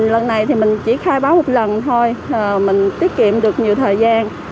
lần này thì mình chỉ khai báo một lần thôi mình tiết kiệm được nhiều thời gian